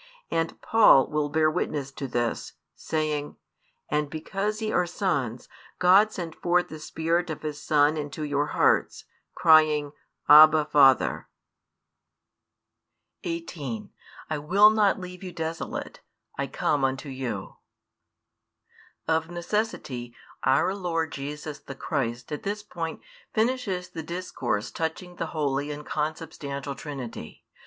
And Paul will bear witness to this, saying: And because ye are sons, God sent forth the Spirit of His Son into your hearts, crying, Abba, Father. |305 18 I will not leave you desolate: I come unto you. Of necessity our Lord Jesus the Christ at this point finishes the discourse touching the Holy and Consubstantial Trinity.